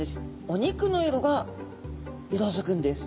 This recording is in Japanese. お肉の色が色づくんです。